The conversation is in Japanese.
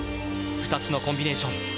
２つのコンビネーション。